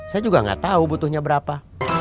saya juga gak tau butuhnya berapa